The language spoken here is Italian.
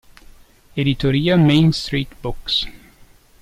Editoria Main Street Books.